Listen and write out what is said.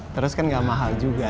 terus kan gak mahal juga